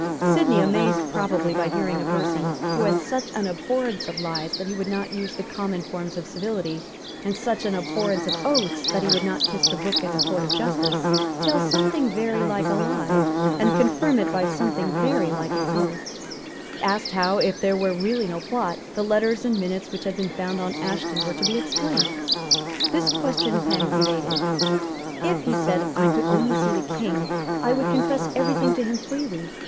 Sidney, amazed probably by hearing a person, who had such an abhorrence of lies that he would not use the common forms of civility, and such an abhorrence of oaths that he would not kiss the book in a court of justice, tell something very like a lie, and confirm it by something very like an oath, asked how, if there were really no plot, the letters and minutes which had been found on Ashton were to be explained. This question Penn evaded. "If," he said, "I could only see the King, I would confess every thing to him freely.